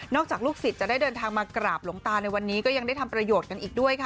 จากลูกศิษย์จะได้เดินทางมากราบหลวงตาในวันนี้ก็ยังได้ทำประโยชน์กันอีกด้วยค่ะ